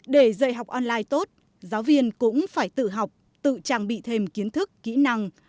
để dạy học online tốt giáo viên cũng phải tự học tự trang bị thêm kiến thức kỹ năng